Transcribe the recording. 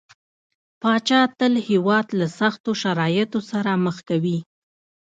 پاچا تل هيواد له سختو شرايطو سره مخ کوي .